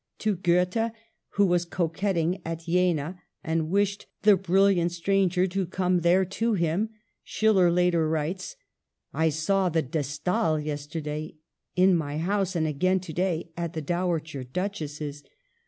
To Goethe, who was coquetting at Jena, and wished the brilliant stranger to come there to him, Schiller later writes :" I saw the De Stael yesterday, in my house, and again to day at the Dowager Duchess's.